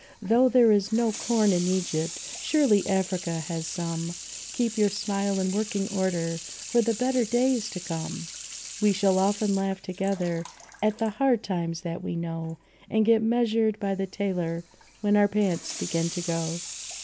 Though there is no corn in Egypt, surely Africa has some Keep your smile in working order for the better days to come ! We shall often laugh together at the hard times that we know, And get measured by the tailor when our pants begin to go.